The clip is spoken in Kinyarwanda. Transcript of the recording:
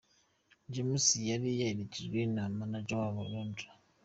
James yari yaherekejwe na manager we Jabo Landry.